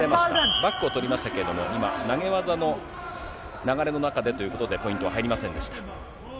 バックを取りましたけれども、今、投げ技の流れの中でということでポイントは入りませんでした。